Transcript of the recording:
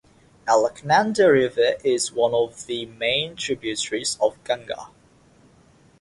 Alaknanda river is one of the main tributaries of Ganga.